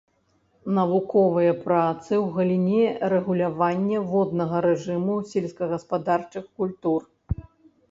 Навуковыя працы ў галіне рэгулявання воднага рэжыму сельскагаспадарчых культур.